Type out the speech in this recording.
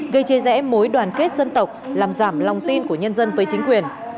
gây chia rẽ mối đoàn kết dân tộc làm giảm lòng tin của nhân dân với chính quyền